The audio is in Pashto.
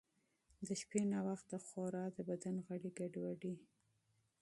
د شپې ناوخته خورا د بدن غړي ګډوډوي.